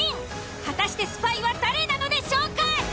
果たしてスパイは誰なのでしょうか？